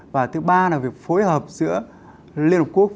và thứ ba là việc phối hợp giữa liên hợp quốc